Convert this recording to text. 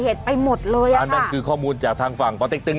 ข้อถึงที่ข้องช็อตโปรติกตึง